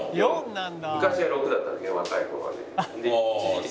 ４？昔は６だったのね若い頃はね。